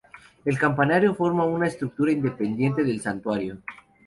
El campanario forma una estructura independiente del santuario.